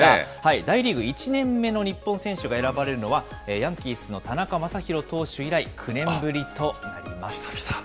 大リーグ１年目の日本選手が選ばれるのは、ヤンキースの田中将大投手以来、９年ぶりとなりま久々。